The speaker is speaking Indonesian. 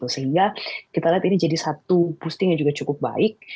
sehingga kita lihat ini jadi satu posting yang juga cukup baik